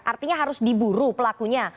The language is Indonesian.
artinya harus diburu pelakunya